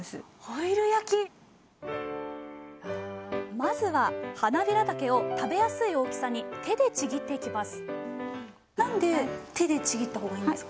まずははなびらたけを食べやすい大きさに手でちぎっていきます